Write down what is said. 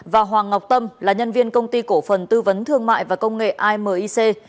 và hoàng ngọc tâm là nhân viên công ty cổ phần tư vấn thương mại và công nghệ amic